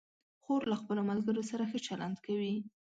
خور له خپلو ملګرو سره ښه چلند کوي.